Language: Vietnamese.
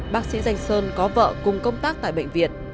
bác sĩ danh sơn có vợ cùng công tác tại bệnh viện